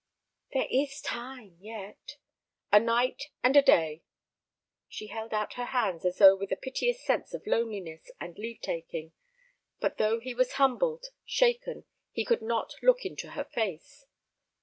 "There is time—yet." "A night—and a day." She held out her hands as though with a piteous sense of loneliness and leave taking; but though he was humbled, shaken, he could not look into her face.